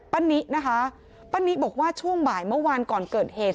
นินะคะป้านิบอกว่าช่วงบ่ายเมื่อวานก่อนเกิดเหตุ